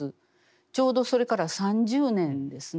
ちょうどそれから３０年ですね